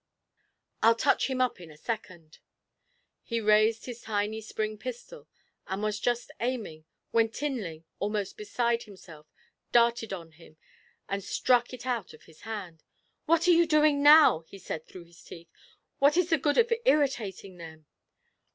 I'll touch him up in a second.' He raised his tiny spring pistol, and was just aiming, when Tinling, almost beside himself, darted on him, and struck it out of his hand. 'What are you doing now?' he said, through his teeth. 'What is the good of irritating them?'